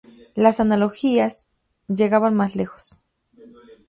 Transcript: Las analogía llegaban más lejos.